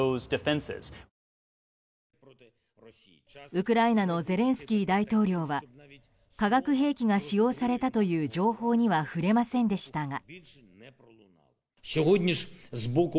ウクライナのゼレンスキー大統領は化学兵器が使用されたという情報には触れませんでしたが。